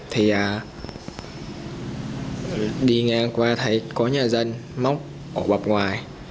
thì đi ngang qua thấy có nhà dân móc ở bọc ngoài